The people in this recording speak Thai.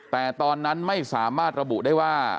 แต่ตอนนั้นไม่สามารถระบุได้ว่า